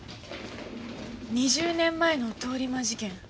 ２０年前の通り魔事件